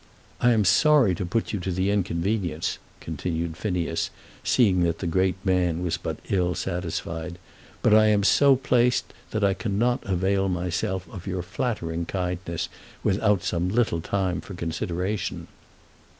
"I am sorry to put you to inconvenience," continued Phineas, seeing that the great man was but ill satisfied, "but I am so placed that I cannot avail myself of your flattering kindness without some little time for consideration."